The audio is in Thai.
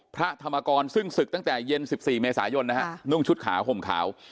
พระธรรมกรซึ่งศึกตั้งแต่เย็น๑๔เมษายนนะฮะนุ่งชุดขาวห่มขาว